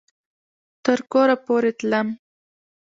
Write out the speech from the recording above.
تر کوره پورې تلم